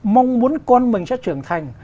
mong muốn con mình sẽ trưởng thành